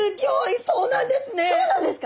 そうなんですか！？